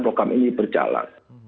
program ini berjalan